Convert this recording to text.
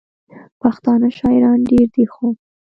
پښتانه شاعران ډېر دي، خو: